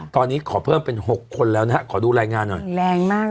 ตอนนี้ขอเพิ่มเป็น๖คนแล้วนะฮะขอดูรายงานหน่อยแรงมาก